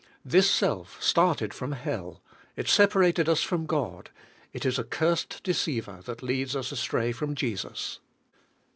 This self started from hell, it sepa rated us from God, it is a cursed deceiver that leads us astray from Jesus.